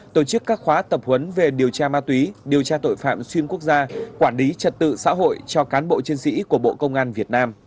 tổ chức các khóa tập huấn về điều tra ma túy điều tra tội phạm xuyên quốc gia quản lý trật tự xã hội cho cán bộ chiến sĩ của bộ công an việt nam